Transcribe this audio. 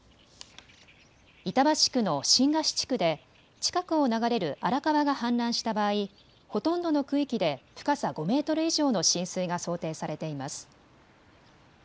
板橋区の新河岸地区で近くを流れる荒川が氾濫した場合、ほとんどの区域で深さ５メートル以上の浸水が想定されています。